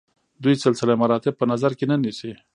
دوی سلسله مراتب په نظر کې نه نیسي.